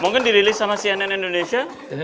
mungkin dirilis sama cnn indonesia